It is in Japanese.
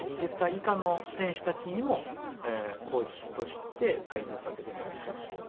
２０歳以下の選手たちにもコーチとして帯同させてもらってます。